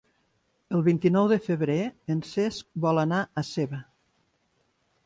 El vint-i-nou de febrer en Cesc vol anar a Seva.